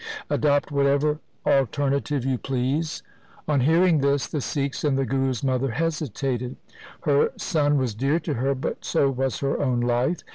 Adopt whatever alter native you please.' On hearing this the Sikhs and the Guru's mother hesitated. Her son was dear to her, but so was her own life.